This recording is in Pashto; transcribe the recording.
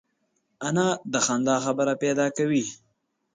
انا د خندا خبره پیدا کوي